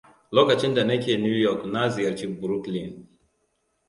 Lokacin da nake New York, na ziyarci Brooklyn.